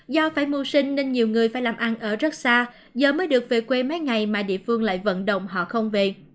do phải mưu sinh nên nhiều người phải làm ăn ở rất xa giờ mới được về quê mấy ngày mà địa phương lại vận động họ không về